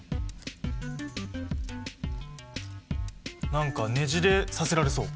何かねじれさせられそう。